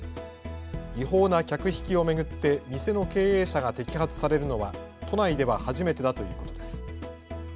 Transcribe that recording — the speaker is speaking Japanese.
違法な客引きを巡って店の経営者が摘発されるのは都内では初めてだということです。